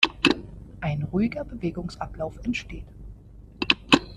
Ein ruhiger Bewegungsablauf entsteht.